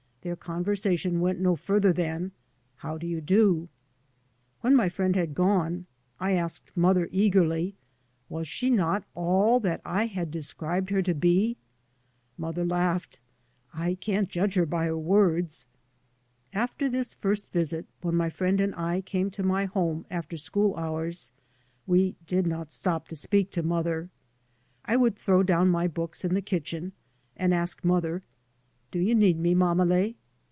Their con versation went no further than " How do you do ?" When my friend had gone I asked mother, eagerly, was she not all that I had described her to be ? Mother laughed, "/ can't judge her by her words I " After this first visit when my friend and I came to my home after school hours we did not stop to speak to mother. I would throw down my books in the kitchen, and ask mother, " Do you need me, mammele